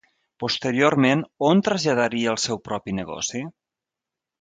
Posteriorment, on traslladaria el seu propi negoci?